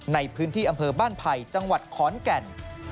ในพื้นที่อำเภอบ้านไผ่จังหวัดขอนแก่น